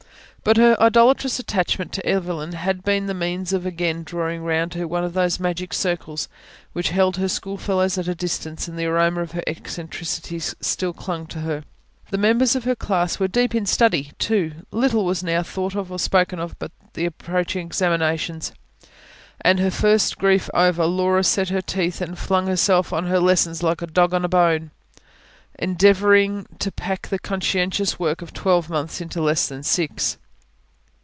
But her idolatrous attachment to Evelyn had been the means of again drawing round her one of those magic circles, which held her schoolfellows at a distance. And the aroma of her eccentricity still clung to her. The members of her class were deep in study, too; little was now thought or spoken of but the approaching examinations. And her first grief over, Laura set her teeth and flung herself on her lessons like a dog on a bone, endeavouring to pack the conscientious work of twelve months into less than six.